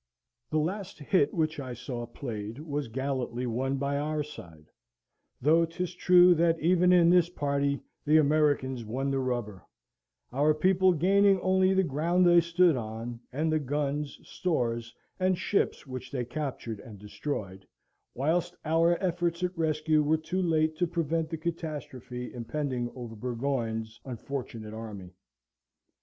The last "hit" which I saw played, was gallantly won by our side; though 'tis true that even in this parti the Americans won the rubber our people gaining only the ground they stood on, and the guns, stores, and ships which they captured and destroyed, whilst our efforts at rescue were too late to prevent the catastrophe impending over Burgoyne's unfortunate army.